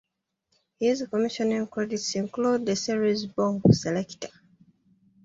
His commissioning credits include the series Bo' Selecta!